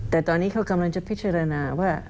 แต่ตอนนี้เขากำลังจะพิจารณาว่า